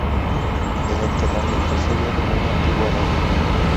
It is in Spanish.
El enterramiento sería de muy antigua data.